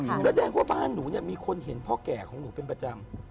แสดงว่าบ้านหนูเนี่ยมีคนเห็นพ่อแก่ของหนูเป็นประจำ